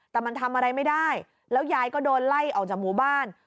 แต่มันทำอะไรไม่ได้แล้วยายก็โดนไล่ออกจากหมู่บ้าน